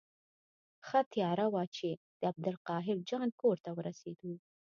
ښه تیاره وه چې د عبدالقاهر جان کور ته ورسېدو.